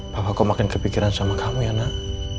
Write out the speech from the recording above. bapak kok makin kepikiran sama kamu ya nak